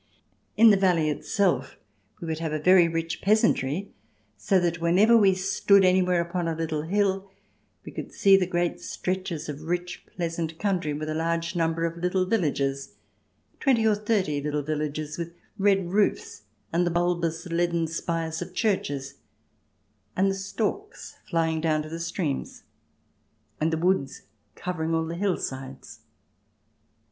In the valley itself we would have a very rich peasantry, so that whenever we stood anywhere upon a little hill we could see the great stretches of rich, pleasant country with a large number of little villages — twenty or thirty little villages with red roofs and the bulbous leaden spires of churches, and the storks flying down to the streams and the woods covering all the hillsides.